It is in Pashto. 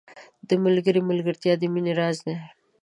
• د ملګري ملګرتیا د مینې راز دی.